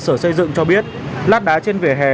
sở xây dựng cho biết lát đá trên vỉa hè